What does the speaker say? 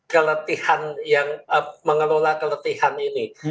keletihan yang mengelola keletihan ini